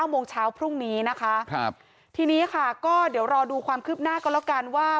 ๙โมงเช้าพรุ่งนี้ทีนี้ค่ะก๊อน่าดีวารอดูความคืบหน้าก็แล้วกันว่า